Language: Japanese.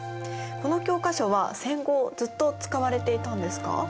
この教科書は戦後ずっと使われていたんですか？